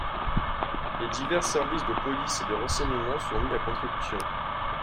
Les divers servises de police et de renseignements sont mis à contribution.